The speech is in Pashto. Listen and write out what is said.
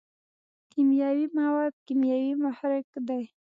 کیمیاوي مواد کیمیاوي محرک دی.